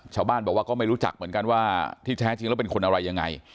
ชาวบ้านบอกว่าก็ไม่รู้จักเหมือนกันว่าที่แท้จริงแล้วเป็นคนอะไรยังไง